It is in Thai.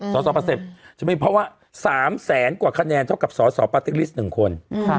สอสอประเสบจะไม่มีเพราะว่า๓แสนกว่าคะแนนเท่ากับสอสอปาร์ติกฤทธิ์๑คน